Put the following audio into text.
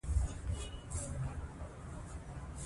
پکتیکا د افغان کورنیو د دودونو مهم عنصر دی.